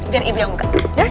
biar ibu yang buka